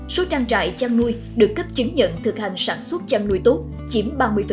số trang trại chăn nuôi được cấp chứng nhận thực hành sản xuất chăn nuôi tốt chiếm ba mươi